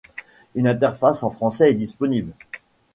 Une interface en français est disponible.